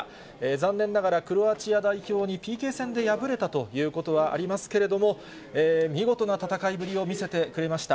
残念ながらクロアチア代表にＰＫ戦で敗れたということはありますけれども、見事な戦いぶりを見せてくれました。